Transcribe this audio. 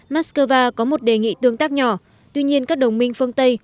mắc cơ va có một đề nghị tương tác nhỏ tuy nhiên các đồng minh phương tây